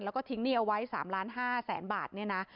แล้วก็ทิ้งเนี่ยเอาไว้๓๕๐๐๐๐๐บาทเนี่ยนะ